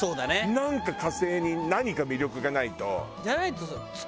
なんか火星に何か魅力がないと。